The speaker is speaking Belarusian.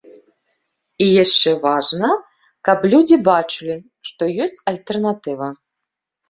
І яшчэ важна, каб людзі бачылі, што ёсць альтэрнатыва.